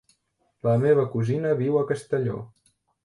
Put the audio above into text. La meva cosina viu a Castelló.